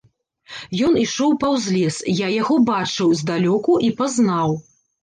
Ён ішоў паўз лес, я яго бачыў здалёку і пазнаў.